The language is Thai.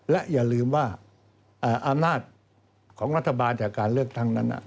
และอย่าลืมว่าอำนาจของรัฐบาลจากการเลือกตั้งนั้น